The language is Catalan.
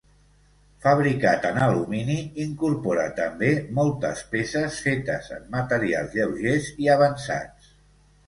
Fabricat en alumini incorpora també moltes peces fetes en materials lleugers i avançats.